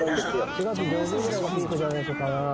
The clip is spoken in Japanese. ４月上旬ぐらいがピークじゃないかな